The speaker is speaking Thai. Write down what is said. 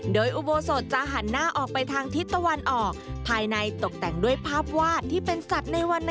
โดยอุโบสถจะหันหน้าออกไปทางทิศตะวันออกภายในตกแต่งด้วยภาพวาดที่เป็นสัตว์ในวัน